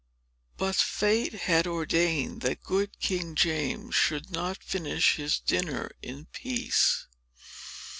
But fate had ordained that good King James should not finish his dinner in peace.